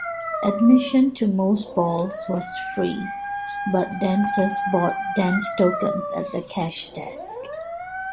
Admission to most bals was free, but dancers bought dance tokens at the cash-desk.